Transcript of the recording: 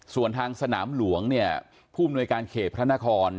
ส่วนทางสนามหลวงเนี่ยผู้มนวยการเขตพระนคร